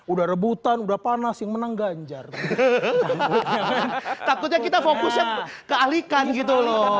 udah rebutan udah panas yang menang ganjar takutnya kita fokusnya kealikan gitu loh